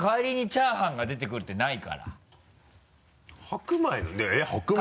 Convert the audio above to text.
チャーハンが出てくるってないから。